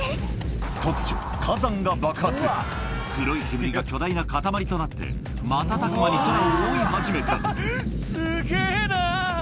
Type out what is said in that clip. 突如火山が黒い煙が巨大な固まりとなって瞬く間に空を覆い始めたすげぇな！